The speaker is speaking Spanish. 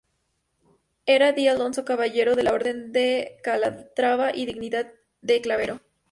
Era D. Alonso Caballero de la Orden de Calatrava y dignidad de Clavero.